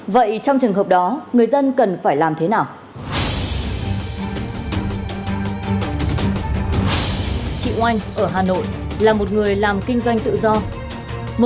vậy trong trường hợp đó người dân cần phải làm thế nào